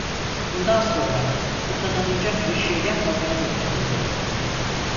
Bundan sonra utanılacak bir şey yapmamaya dikkat edelim…